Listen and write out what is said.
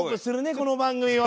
この番組は。